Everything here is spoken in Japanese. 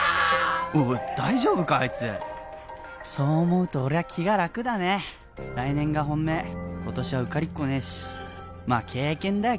おいおい大丈夫かあいつそう思うと俺は気が楽だね来年が本命今年は受かりっこねえしまあ経験だよ